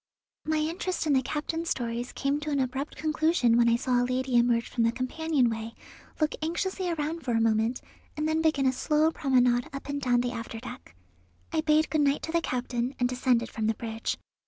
My interest in the captain's stories came to an abrupt conclusion when I saw a lady emerge from the companion way, look anxiously around for a moment, and then begin a slow promenade up and down the after deck. I bade good night to the captain, and descended from the bridge.